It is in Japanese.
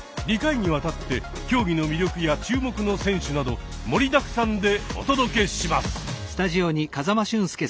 ２回にわたって競技の魅力や注目の選手など盛りだくさんでお届けします。